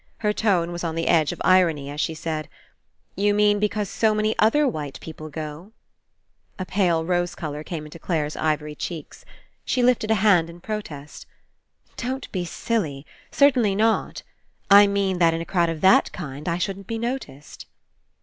Her tone was on the edge of irony as she said: "You mean because so many other white people go?" A pale rose colour came Into Clare's ivory cheeks. She lifted a hand In protest. "Don't be silly! Certainly not! I mean that in a crowd of that kind I shouldn't be noticed."